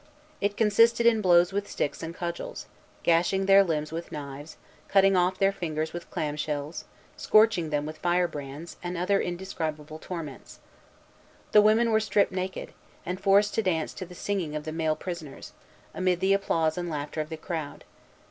It consisted in blows with sticks and cudgels, gashing their limbs with knives, cutting off their fingers with clam shells, scorching them with firebrands, and other indescribable torments. The women were stripped naked, and forced to dance to the singing of the male prisoners, amid the applause and laughter of the crowd.